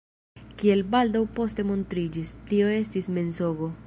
Kiel baldaŭ poste montriĝis, tio estis mensogo.